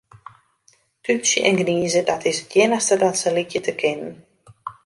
Tútsje en gnize, dat is it iennichste dat se lykje te kinnen.